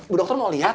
bu dokter mau liat